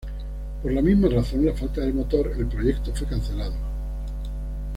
Por la misma razón, la falta del motor, el proyecto fue cancelado.